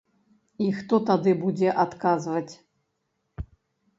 І хто тады будзе адказваць.